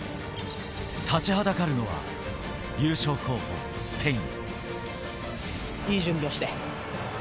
立ちはだかるのは優勝候補、スペイン。